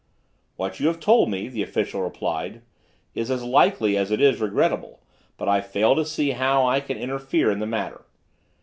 "What you have told me," the official replied, "is as likely as it is regrettable, but I fail to see how I can interfere in the matter.